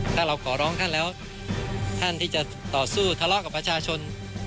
ถ้าเราขอร้องท่านแล้วท่านที่จะต่อสู้ทะเลาะกับประชาชน